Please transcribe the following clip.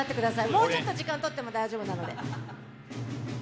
もうちょっと時間とっても大丈夫なので。